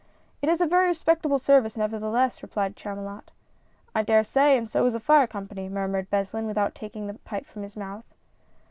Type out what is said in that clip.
"It is a very respectable service, nevertheless," re plied Chamulot. " I dare say, and so is a fire company," murmured Beslin, without taking his pipe from his mouth.